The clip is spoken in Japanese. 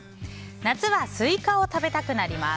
夏はスイカを食べたくなります。